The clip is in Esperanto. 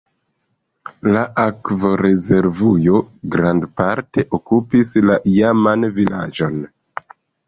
La akvorezervujo grandparte okupis la iaman vilaĝon.